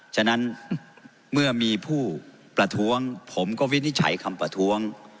ฉะนั้นเมื่อมีผู้ประท้วงผมก็วินิจฉัยคำประท้วง